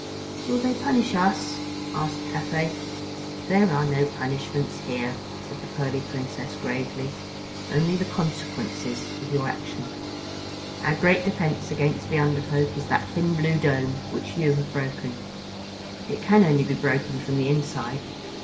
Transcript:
"Will they punish us?" asked Cathay. "There are no punishments here," said the pearly Princess gravely, "only the consequences of your action. Our great defense against the Under Folk is that thin blue dome which you have broken. It can only be broken from the inside.